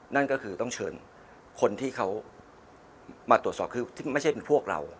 นั่นก็คือต้องเชิญคนที่เขามาตรวจสอบคือไม่ใช่เป็นพวกเรา